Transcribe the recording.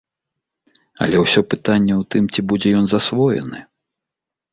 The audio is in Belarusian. Але ўсё пытанне ў тым, ці будзе ён засвоены.